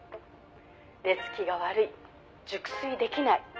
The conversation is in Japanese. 「寝つきが悪い熟睡できない」